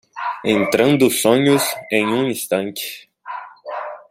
Entrando sonhos em um instante